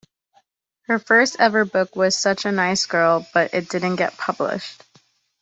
Her first ever book was "Such a Nice Girl", but it didn't get published.